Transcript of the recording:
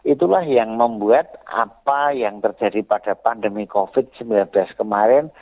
itulah yang membuat apa yang terjadi pada pandemi covid sembilan belas kemarin